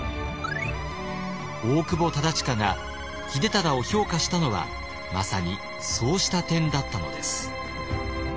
大久保忠隣が秀忠を評価したのはまさにそうした点だったのです。